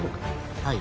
はい。